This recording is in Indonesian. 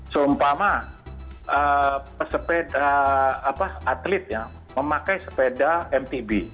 seumpama sepeda atletnya memakai sepeda mtb